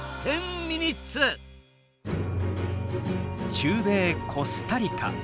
中米コスタリカ。